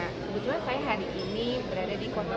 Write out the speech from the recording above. kebetulan saya hari ini berada di kota